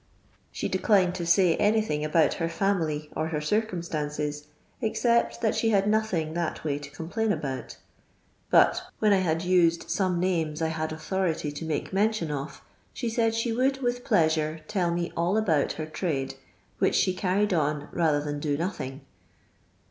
She declined to say anything about her family or her circumstxmces, except ViMi she had nothing that way to complain aboot, bat — when I had used some names I had nnthority to make mention of — she said she would, with pleasure, tell me all about her trade, which ibe carried on rather than do nothmg.